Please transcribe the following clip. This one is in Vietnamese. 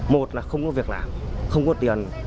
một là không có việc làm không có tiền